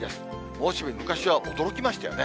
猛暑日、昔は驚きましたよね。